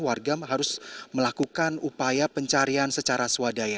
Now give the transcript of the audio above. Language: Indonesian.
warga harus melakukan upaya pencarian secara swadaya